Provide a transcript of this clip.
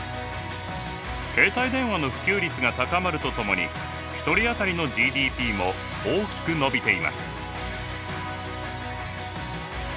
携帯電話の普及率が高まるとともに１人当たりのＧＤＰも大きく伸びています。